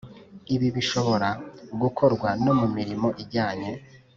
Ibi bishobora gukorwa no mu mirimo ijyanye